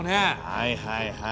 はいはいはい。